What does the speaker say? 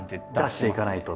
出していかないと。